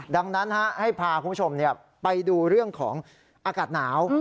ดังนั้นให้พาคุณผู้ชมไปดูเรื่องของอากาศหนาว